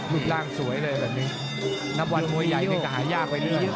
มือร่างสวยเลยนับวันมัวใหญ่มันก็หายากไปด้วย